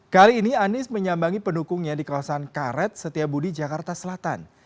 kali ini anies menyambangi pendukungnya di kawasan karet setiabudi jakarta selatan